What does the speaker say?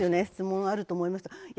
質問あると思いました。